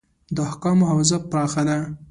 د احکامو حوزه پراخه ده.